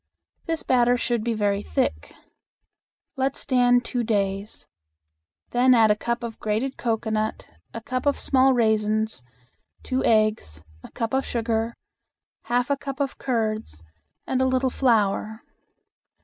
This batter should be very thick. Let stand two days. Then add a cup of grated cocoanut, a cup of small raisins, two eggs, a cup of sugar, half a cup of curds, and a little flour.